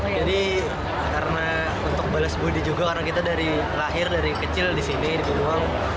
jadi karena untuk balas budi juga karena kita dari lahir dari kecil di sini di binuang